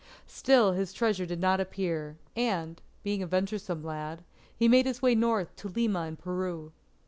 Still his treasure did not appear, and, being a venturesome lad, he made his way north to Lima in Peru.